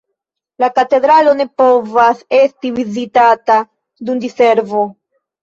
La katedralo ne povas esti vizitata dum diservo.